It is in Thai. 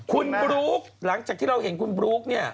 คุณบลุ๊กหลังจากที่เราเห็นคุณบลุ๊กเนี่ย